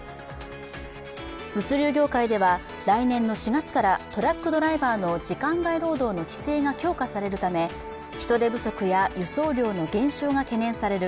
物流業界では来年４月からトラックドライバーの時間外労働の規制が強化されるため人手不足や輸送量の減少が懸念される